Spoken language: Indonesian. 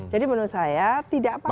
jadi menurut saya tidak apa apa